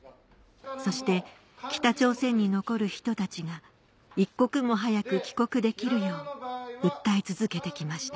そして北朝鮮に残る人たちが一刻も早く帰国できるよう訴え続けて来ました